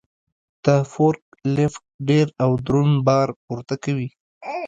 دا فورک لیفټ ډېر او دروند بار پورته کوي.